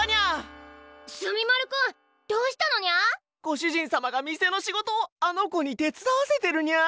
ご主人様が店の仕事をあの子に手伝わせてるニャ！